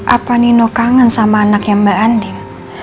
apalagi aku jangan kaget sama anaknya mbak andien